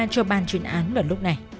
cho ban chuyên án vào lúc này